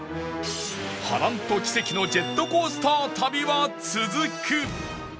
波乱と奇跡のジェットコースター旅は続く